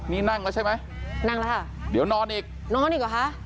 นี่นั่งแล้วใช่ไหมนั่งแล้วค่ะเดี๋ยวนอนอีกนอนอีกเหรอคะ